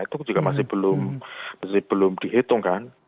itu juga masih belum dihitung kan